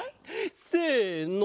せの！